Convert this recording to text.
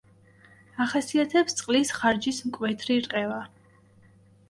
ახასიათებს წყლის ხარჯის მკვეთრი რყევა.